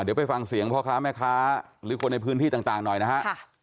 เดี๋ยวไปฟังเสียงพ่อค้าแม่ค้าหรือคนในพื้นที่ต่างหน่อยนะฮะ